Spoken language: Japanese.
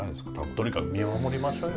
とにかく見守りましょうよ。